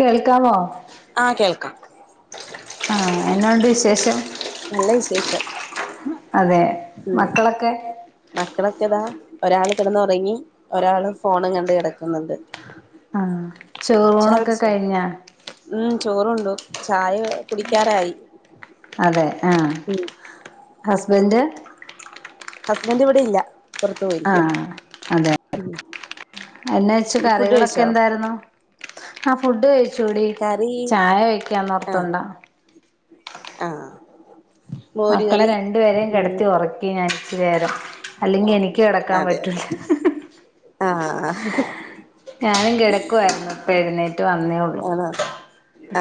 കേൾക്കാമോ? ആഹ് കേൾക്കാം ആഹ് എന്നോണ്ട് വിശേഷം? നല്ല വിശേഷം അതെ മക്കളൊക്കെ ക്കളൊക്കതാ ഒരാള് കിടന്നുറങ്ങി ഒരാള് ഫോണും കണ്ട് കിടക്കുന്നുണ്ട് ആഹ് ചോറൂണൊക്കെ കഴിഞ്ഞാ ചോറുണ്ടൂ ചായ കുടിക്കാറായി അതെ ആ ഹസ്ബൻഡ്? ഹസ്ബൻഡ് ഇവിടെ ഇല്ല പുറത്തു പോയിരിക്ക്യ എന്ന വെച്ച കറികളൊക്കെ എന്തായിരുന്നു ആ ഫുഡ് കഴിച്ചൂടീ കറി ചായ ആഹ് വക്കാന്നോർത്തണ്ടാ ആഹ് മോര് മക്കളെ കറി രണ്ടുപേരെയും ഉം കിടത്തി ഒറക്കി ഞാൻ [unintelligible] അല്ലെങ്കി എനിക്ക് കെടക്കാൻ അതെയോ പറ്റൂല ആഹ് ഞാനും കിടക്കു ആയിരുന്നു ഇപ്പ എഴുന്നേറ്റ് വന്നേ ഒള്ളു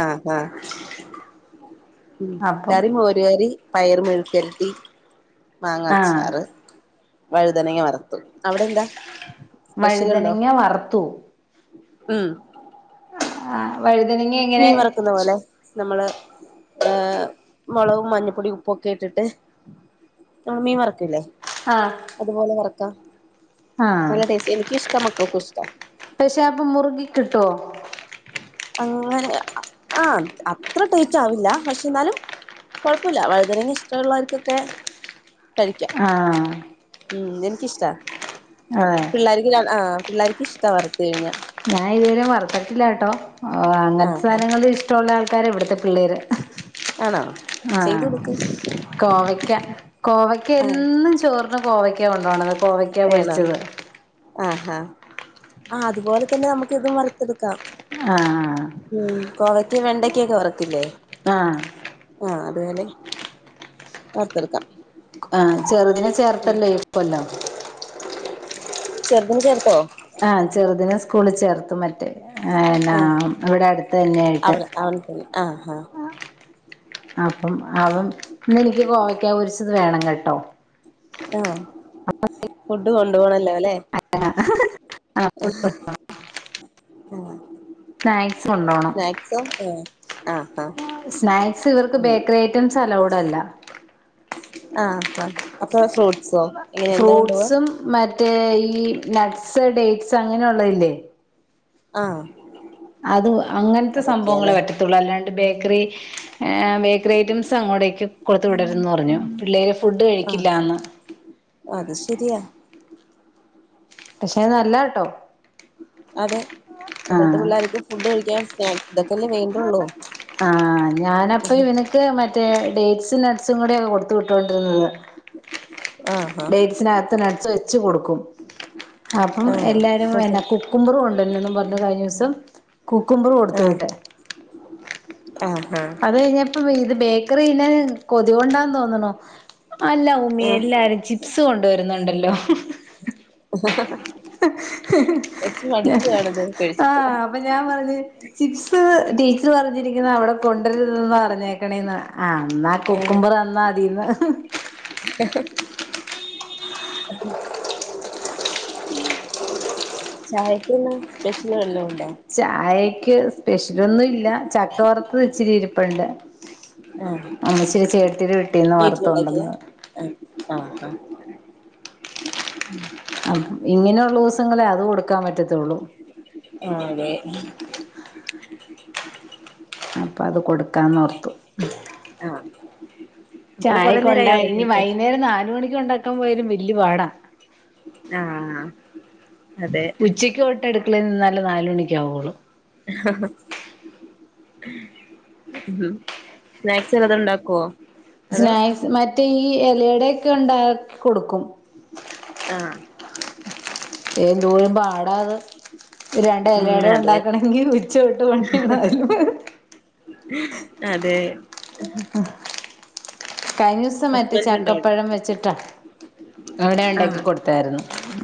ആ ആ ഉം അപ്പം കറി മോരു കറി പയറ് മെഴുക്കൊരട്ടി ആഹ് മാങ്ങാച്ചാറ് വഴുതനങ്ങെ വറ ഉണ്ടോ വഴുതനങ്ങ വറുത്തു ഉം [unintelligible] വഴുതനങ്ങ എങ്ങനെ മീൻ വറക്കുന്ന പോലെ നമ്മള് ആ മൊളവും മഞ്ഞപ്പൊടിയും ഉപ്പൊക്കെ ഇട്ടിട്ട് നമ്മൾ മീൻ വറക്കില്ലേ ആ അതുപോലെ വറക്കാം ആഹ് നല്ല ടേസ്റ്റ് എനിക്ക് ഇഷ്ടാ മക്കൾക്കും ഇഷ് പക്ഷെ അപ്പൊ മുറുകി കിട്ടുവോ അങ്ങനെ ആ അത്ര ടേസ്റ്റ് ആവില്ല പക്ഷെ എന്നാലും കൊഴപ്പല്ല വഴുതനങ്ങ ഇഷ്ടൊള്ളവർക്കൊക്കെ ആ ഉം എനിക്കിഷ്ട്ടാ ആ ആ പിള്ളേരിക്ക് ഇഷ്ടാ വറുത്തു കഴിഞ്ഞാ ഞാൻ ഇതുവരെയും വറുത്തിട്ടില്ലാ ട്ടോ ഓ അങ്ങനത്തെ ആഹ് ആഹ് സാധനങ്ങള് ഇഷ്ടമുള്ള ആൾ കാരാ ഇവിടുത്തെ പിള്ളേര് ആണോ ആ ചെയ്ത് കൊടുക്ക് കോവയ്ക്ക കോവയ്ക്ക ആഹ് എന്നും ചോർ കോവ കൊണ്ടാണ് കോവയ്ക്കാ പൊരിച്ചത് ആഹാ ആ അതുപോലെ തന്നെ നമുക്ക് ഇതും വറത്തെടുക്കാം ആഹ് ഉം കോവയ്ക്ക് വെണ്ട ക്കെ ക്കെ വറുക്കില്ലേ ആ ആ അതുപോലെ വർത്തെടുക്കാം ഉം വർത്തില്ലെ ഇപ്പെല്ലാം [unintelligible] ചെറുതിനെ ചേർ ആഹ് ചെറുതിനെ സ്കൂളിൽ ചേർത്ത് മ മോ ആഹ് ഇവിടെ അടുത്ത് തന്നെയായിട്ട് ആഹാ അപ്പം അവൻ ഇന്ന് എനിക്ക് കോവയ്ക്ക പരിച്ചത് വേണം കേട്ടോ ആഹ് ഫുഡ് കൊണ്ടു പോണല്ലോ അല്ലെ ആ [unintelligible] ഉം സ്നാക്സ് കൊണ്ടോണം ആഹ് ആഹ് ആഹ് സ്നാക്സ് ഇവർക്ക് ഉം ബേക്കറി ഐറ്റംസ് അലൗഡ് അല്ല ആഹ് ആ അപ്പൊ ഫ്രൂട്ട്സോ എങ്ങനെ എന്താ കൊണ്ടുപോവാ ഫ്രൂട്ട്സും മറ്റേ ഈ നസ് സ് ഡേറ്റ്സ് അങ്ങനെ ഉള്ളതില്ലേ ആഹ് അത് അങ്ങനത്തെ സംഭവങ്ങളെ അതൊക്കെയാല്ലേ പറ്റത്തുള്ളൂ അല്ലാണ്ട് ബേക്കറി ഏഹ് ബേക്കറി ഐറ്റംസ് അങ്ങോട്ടേക്ക് കൊടുത്ത വിടരുതെന്ന് പറഞ്ഞു പിള്ളെര് ആഹ് അത് ശരിയാ പക്ഷെ നല്ലത കേട്ടോ അതെ ഇപ്പഴത്തെ ആഹ് പിള്ളർക്ക് ഫുഡ് കഴിക്കാൻ [unintelligible] വേണ്ടുള്ളൂ ആഹ് ഞാനപ്പൊ ഇവനക്ക് മ മറ്റേ ഡേറ്റ്സും നട്ട്സും കൂടെക്കെ കൊടുത്തു വിട്ടുകൊണ്ടിരുന്നത് ആഹ് ഡേറ്റ്സന്കത്ത് നട്ട്സ് വെച് കൊടുക്കും അപ്പം ആഹ് എല്ലാരും എന്നെ കുക്കുംമ്പരും ഉണ്ടന്ന് പറഞ്ഞു കഴിഞ്ഞ ദിവസം കുക്കുമ്പറു കൊടുത്ത് ആഹ് വിട്ടു ആഹ് ആഹ് അത് കഴിഞ്ഞപ്പ ഇത് ബേക്കറി പിന്നേ കൊതി കൊണ്ടാന്ന് തോന്നണ് അല്ല ഉമി ആഹ് എല്ലാരും ചിപ്സ് കൊണ്ടുവരും [unintelligible] വേണ്ടല്ലോ കൊച്ച് മടുപ്പ് കാണും ഇതൊക്കെ കഴിച്ചിട്ട് ആഹ് അപ്പൊ ഞാൻ പറഞ്ഞു ചിപ്സ് ടീച്ചർ പറഞ്ഞിരിക്കുന്ന അവിടെ കൊണ്ടരുതെന്നാ പറഞ്ഞേക്കാണെന്നാ അന്നാ കുക്കുമ്പർ തന്നാ മതീന്ന് ആ ചായക്കെന്നാ സ്പെഷ്യല് വല്ലോം ഒ ചായക്ക് ക്ക് സ്പെഷ്യല് ഒന്നും ഇല്ല ചക്ക വറുത്തത്ത് വച്ചിരി ഇരിപ്പുണ്ട് ആഹ് ശരി ചേ [unintelligible] വീട്ടിലുണ്ടാക്കിയതാ ആഹ് ആ ആ ഇങ്ങനെയുള്ള ദിവസങ്ങളേ അതു കൊടുക്കാൻ പറ്റത്തുള്ളൂ ആ അതെ അപ്പ അത് കൊടുക്കാന്ന് ഓർത്തു ആഹ് മക്കള് കൊറേ ചായക്ക്‌ കൊണ്ട നേരായോ ഇനി ഒറങ്ങീട്ട് വൈകുന്നേരം നാല് മണി കൊണ്ടാ ക്കാൻ പോയാലും വല്യ പാടാ ആഹ് അതെ ഉച്ചയ്ക്ക് തൊട്ട് [unintelligible] നാല് മണിക്കാവയുള്ളൂ മ് സ്നാക്സ് വല്ലാതും ഉണ്ടാക്കുവോ അതോ സ്നാ മറ്റേ ഈ എലേടെ ക്കെ ണ്ടാ കൊടുക്കും ആ എന്തോരം പാടാ അത് രണ്ട് ഉം എലയടെ അതെ ഉണ്ടാക്കണങ്കി ഉച്ചോട്ട് പണിയ അതെ [unintelligible] കഴിഞ്ഞുസം മറ്റേ ഹസ്ബൻഡ് ഉണ്ടോ അവിടെ ചക്കപ്പഴം വെച്ച്ട്ടാ അവടെ ഉണ്ടാക്കി ആഹ് കൊടുത്തായിരുന്നു.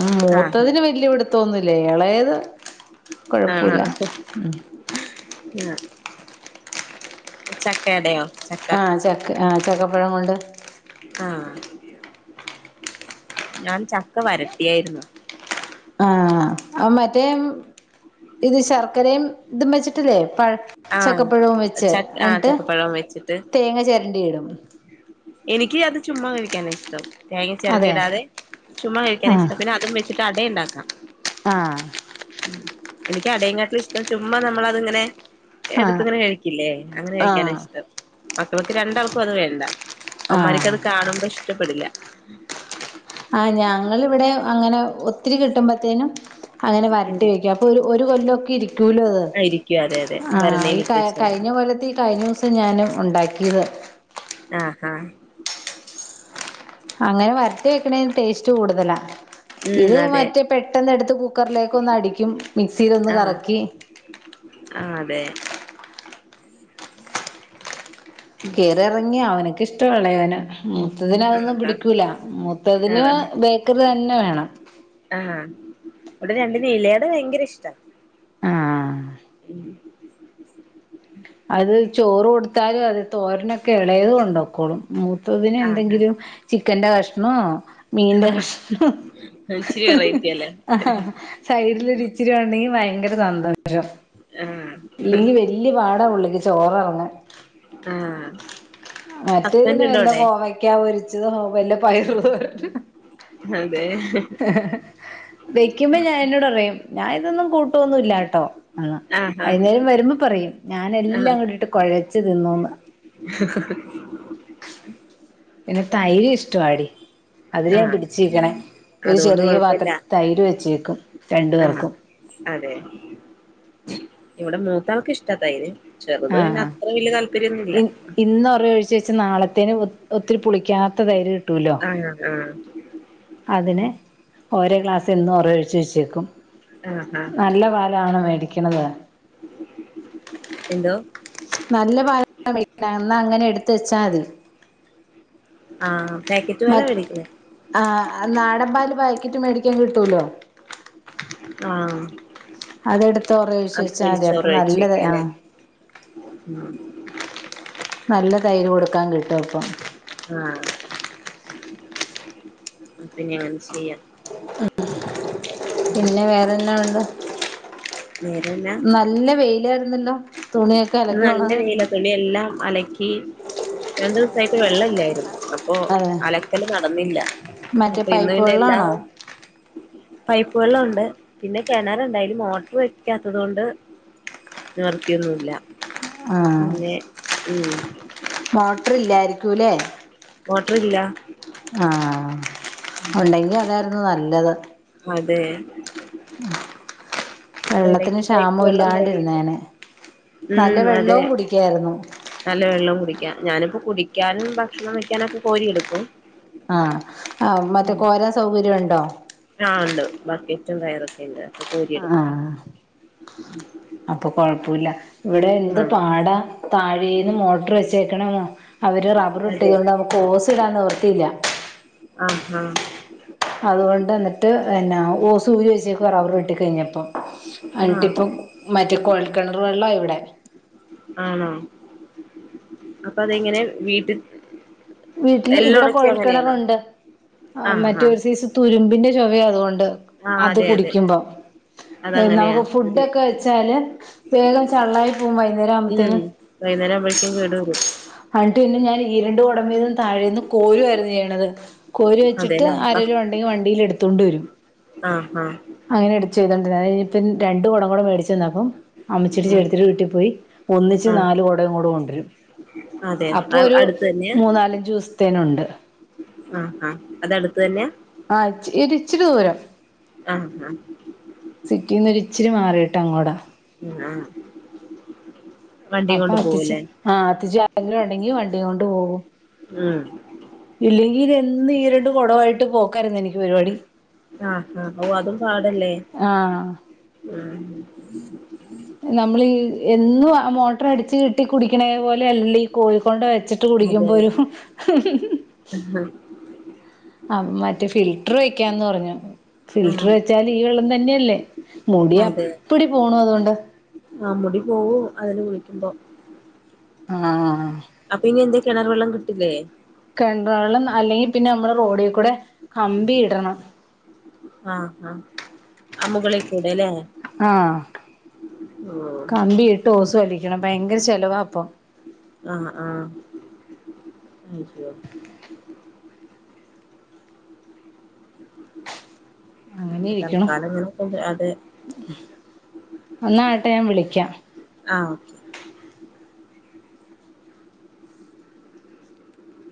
ആഹ് മൂത്തതിന് വല്യപിടുത്തോന്നില്ല എളയത് ആണോ കൊഴപ്പുല്ല ആഹ് ചക്കടയോ ചക്ക ആഹ് ചക്ക് ആഹ് ചക്കപ്പഴം കൊണ്ട് ആഹ്. ഞാൻ ചക്ക വരട്ടിയായിരുന്നു ആഹ് ആഹ് മറ്റേയ് ഇത് ശർക്കരയും ഇതും വെച്ചിട്ടല്ലേ പഴ ആഹ് ചക്കപ്പഴും വെച്ച് ച ആഹ് എൻട്ട് ചക്കപ്പഴം വെച്ചിട്ട് തേങ്ങ ചെരണ്ടിയിടും എനിക്ക് അത് ചുമ്മാ കഴിക്കാനാ ഇഷ്ടം. തേങ്ങ ചെരണ്ടി അതെ ഇടാതെ ചുമ്മാ കഴിക്കാൻ ആ ഇഷ്ട പിന്നെ അതും വെച്ചിട്ട് അടയൂണ്ടാക്കാം ആ എനിക്കടേ കാട്ടിലും ഇഷ്ടം ചുമ്മ നമ്മളത്ങ്ങനെ ആ എടുത്ത്ങ്ങനെ കഴിക്കില്ലേ അങ്ങനെ ആ കഴിക്കാന ഇഷ്ടം മക്കൾക്ക് രണ്ടാൾക്കും അത് വേണ്ട ആ അവമ്മാരിക്ക് അത് കാണുമ്പോ ഇഷ്ടപ്പെടില്ല [inaudible] ആ ഞങ്ങളിവിടെ അങ്ങനെ ഒത്തിരി കിട്ടുമ്പത്തേനും അങ്ങനെ വരട്ടി ഉം വെക്കും അപ്പൊ ഒരു ഒരു കൊല്ലമൊക്കെ ഇരിക്കൂല്ലോ അത് ആയിരിക്കും അതെ അതെ ആഹ് ഈ ഭരണയിലിട്ട് വെച്ചാൽ മതി കഴിഞ്ഞ കൊല്ലത്ത് ഈ കഴിഞ്ഞ ദിവസം ഞാന് ഉണ്ടാക്കി അതെ ആഹ് ആഹ് അങ്ങനെ വരട്ടി വെക്കണെന് ടേസ്റ്റ് കൂടുതലാ ഉം ഇത് അതെ മറ്റേ പെട്ടെന്ന് എടുത്ത് കുക്കറിലേക്ക് ഒന്ന് അടിക്കും മിക്സിയിലൊന്ന് ആഹ് കറക്കി ആഹ് അതെ കെയറി ഇറങ്ങി അവൻക് ഇഷ് ട്ടാണ് ഇവനെ മൂത്തത്തിന് ആഹ് അതൊന്നും ആഹ് പിടിക്കൂല മൂത്തതിന് ആണോ ബേക്കറി തന്നെ വേണം ആഹ് ഇവിടെ രണ്ടിനും ഇലയട ഭയങ്കര ഇഷ്ട്ടാ ആഹ് ഉം അത് ചോറ് കൊടുത്താലും അത് തോരനൊക്കെ ഇളെ യത് കൊണ്ടോക്കോളും മൂത്തതിന് ആഹ് എന്തെങ്കിലും ചി ക്കന്റെ കഷ്ണോ മീന്റെ കഷ്ണം ഇച്ചിരി വെറൈറ്റി അല്ലേ [unintelligible] സൈഡിലൊരിച്ചിരിയൊണ്ടെങ്കി വയങ്കര [unintelligible] [unintelligible] ആഹ് ഇല്ലെങ്കി വെല്ല്യ പാ ചോറെറങ്ങും ആഹ് മറ്റേതിന് ഹസ്ബൻഡ് ഉണ്ടോ വല്ല അവിടെ പോവയ്ക്കാ പൊരി ച്ചതോ വല്ല പയറ് തോരനും [unintelligible] വെയ്ക്കുമ്പോ ഞാനെന്നോട് പറയും ഞാൻ ഇതൊന്നും കൂട്ടുവൊന്നും ഇല്ലാട്ടോ അതാ ആഹാ വൈന്നേരം വരുമ്പോ പറയും ഞാനെല്ലാ ആഹ് അങ്ങടിട്ട് കൊഴ ച്ച് തിന്നൂന്ന് [unintelligible] പിന്നെ തൈര് ഇഷ്ടവാടി. അതി ഞാൻ ആഹ് പിടിച്ച് നിക്കണെ. ഒരു അതുകൊണ്ട് ചെറിയ കൊഴപ്പില്ല പാത്രത്തിൽ തൈര് വെച്ചേക്കും രണ്ടു ആഹ് പേർക്കും. അതെ ഇവിടെ മൂത്താൾക്ക് ഇഷ്ടാ തൈര്. ചെറുത് പിന്നെ ആഹ് അത്ര വല്യ താല്പര്യൊന്നുയില്ല. ച് വെച്ച് നാളത്തേന് ഒത് ഒത്തിരി പുളിക്കാത്ത തൈര് കിട്ടൂലോ. ആഹ് ആഹ് അതിന് ഓരോ ഗ്ലാസ് എന്നും ഒറ ഒഴിച്ചു വെച്ചേക്കും. ആഹാ നല്ല പാലാണ് മേടി ടിക്കണത്. എന്തോ? നല്ല പാലാ [unintelligible] എന്നാ അങ്ങനെ എടുത്ത വെച്ചാ മതി. ആഹ് പാക്കറ്റ് മ പാലാ മേടിക്കണേ ആ നാടൻപാല് പാക്കറ്റ് മേടിക്കാൻ കിട്ടൂലോ. ആഹ് അതെടുത്ത് ഒറ ഒഴിച്ചു അത് വെച്ചാ മതി. വെളിച്ചോറ് അപ്പൊ ഒഴിച്ച് നല്ല താ വെക്കാല്ലേ ആഹ് ഉം നല്ല തൈര് കൊടുക്കാൻ കിട്ടും അപ്പം. ആഹ് അത് ഞാൻ ചെയ്യാം. പിന്നെ വേറെന്നാ ഒള്ളെ? നല്ല വെയിലായിരുന്നല്ലോ. തുണിയൊക്കെ ഇത് അലക്കി നല്ല ഒണങ്ങാൻ വേലത്തുള്ളി എല്ലാം അലക്കി രണ്ടു ദിവസായിട്ട് വെള്ള ഇല്ലായിരുന്നു അപ്പൊ അതെ അലക്കല് നടന്നില്ല മറ്റേ അപ്പൊ ഇന്ന് പൈപ്പ് പിന്നെ എല്ലാം വെള്ളാണോ പൈപ്പ വെളുണ്ട് പിന്നെ കിണറുണ്ട് അതില് മോട്ടർ വെക്കാത്തത് കൊണ്ട് നിർത്തിയൊന്നുമല്ല ആ ഉം മോട്ടർ ഇല്ലായിരിക്കൂലേ വോട്ടർല്ല ഉണ്ടെങ്കിൽ അതായിരുന്നു നല്ല [inaudible] അതെ [inaudible] ഇത് വെള്ളത്തിന് ഇടക്ക് പൈപ്പ് ക്ഷാമം വെള്ളം കഴിയുന്നു ഇല്ലാണ്ടിരുന്നേന നല്ല ഉം അതെ വെള്ളവും കുടിക്കായിരുന്നു ഞാനിപ്പോൾ കുടിക്കാനും ഭക്ഷണം വെക്കാനൊക്കെ കോരിെടുക്കും ആഹ ആ മറ്റേ കോരാ സൗകര്യമുണ്ടോ റ്റ വയറൊക്കെയുണ്ട് അപ്പോൾ പോരിയടുക്കും അപ്പൊ കൊഴപ്പില്ല ഇവിടെ എന്ത് ആ പാട താഴേന്ന് മോട്ടർ വെച്ച നക്കണ വ അവർ റബ്ബർ ഇട്ടതുക അതെ കൊണ്ട് നമുക്ക് ഓസ് ഇടാൻ നിവൃത്തിയില്ല ആഹഹാ അതുകൊണ്ട് എന്നിട്ട് പിന്നെ ഓ സൂര് വഴച്ചേ കുറ അവർ വട്ടിഴിഞ്ഞപ്പം ആഹ് അട്ടപ്പോ മറ്റെ കോവാ കിണർ വെള്ളോ എവിടെ ആണോ അപ്പൊ അതെങ്ങനെ വീട്ടിൽ വീട്ടില് എല്ലാം ഇവിടെ ഉണക്കി അങ്ങനെയാണോ കുഴൽക്കിണറുണ്ട് ആഹ് ആഹ് മറ്റേരു സൈസ തുരുമ്പിന്റെ ചൊവ അതുകൊണ്ട് ആഹ് അത് അതെ അതെ കുടികുമ്പോൾ അതങ്ങനെയാ നമുക്ക് ഒരു ഫുടൊക്കെ വെച്ചാല് വേഗം ചള്ളായി പോക വൈകുന്നേര ഉം ആവുമ്പത്തേും വൈകുന്നേരം ആവുമ്പോഴേക്കും കേട് വരും ഞാൻ ഇ രണ്ടുൂട സമീതം താഴെയുന്നു കോരു ആയിരുന്നു ചെയ്യണത് കോരു വെച്ചിട്ട് അതെല്ലേ ആരലും ഉണ്ടെങ്കിൽ വണ്ടിൽ എടുത്ത തൊണ്ടുവരും ആഹഹ അങ്ങനെ എടുച്ച് ചെയ്തോണ്ടി ഇനിപ്പ രണ്ടണ്ട് കുടകൂടി മേടിച്ചു െന്നപ്പം അമച്ചിട്ട് ഉം ചേർത്തിട്ട് വീട്ടിൽ പോയി ഒന്നിച്ച് ആഹ് നാല് കൊടകയും കൂടെ കൊണ്ടുവരും അതെ അപ്പൊ ഒരു അടുത്ത് തന്നെയാ മൂന്നാലഞ്ചു ദിവസത്തേനുണ്ട് ആഹ് ആഹ് അതടുത്ത് തന്നെയാ ആഹ ഇ ഇരിച്ചി ദൂരം ഉം ഹം സിറ്റിന്ന് ഇച്ചിരി മാറിട്ട് അങ്ങോടാ ആഹ അപ്പൊ അത്തിച്ച ആഹ് ആരെങ്കിലും ഉണ്ടെങ്കി വണ്ടിയ കൊണ്ട് പോകും ഉം ഇല്ലെങ്കിൽ ഈരണ്ട് കുടവായിട്ട് പോക്കാരരുന്നു എനിക്ക് പരിപാടി ആഹ് ആഹ് അഓ അതും പാടല്ലേ ആ ഉ ഉ ഉ [unintelligible] നമ്മളീ എന്നും ആ കോ കൊണ്ട് വെച്ചിട്ട് അതെ കുടിക്കുമ്പോ ഒരു ആഹ് ആ മറ്റേ ഫിൽറ്റർ വെക്കാന്ന് പറഞ്ഞു ഫിൽറ്റർ വെച്ചാല് ഈ വെള്ളം തന്നെയല്ലേ മുടി അതെ അപ്പടി പോണു അതുകൊണ്ട് ആ മുടി പോവു അതിന് വിളിക്കുമ്പോ ആഹ അപ്പൊ ഇനി എന്താ കിണർ വെള്ളം കിട്ടില്ലേ അല്ലെങ്കിൽ പിന്നെ നമ്മള് റോഡിൽ കൂടെ കമ്പി ഇടണം ആഹ് ആഹ അമ്മുകളെ കൂടെ അല്ലേ ആഹ ഓ കമ്പിട്ട് ഓസ് വലിക്കണം ഭയങ്കര ചെലവാപ്പം അച്ച ഉം അങ്ങനെ ഇരിക്കണോ അതെ ഒന്നായിട്ട് ഞാൻ വിളിക്കാം ആഹ് ഓക്കെ